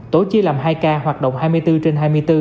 tổ chia làm hai ca hoạt động hai mươi bốn trên hai mươi bốn